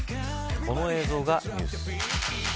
この映像がニュース。